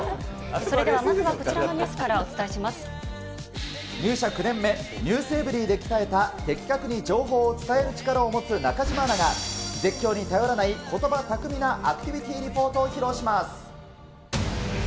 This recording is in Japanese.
それではまずはこちらのニュ入社９年目、ｎｅｗｓｅｖｅｒｙ．で鍛えた、的確に情報を伝える力を持つ中島アナが、絶叫に頼らない、ことば巧みなアクティビティリポートを披露します。